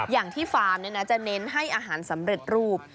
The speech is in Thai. อย่างที่ฟาร์มเนี่ยนะจะเน้นให้อาหารสำเร็จรูป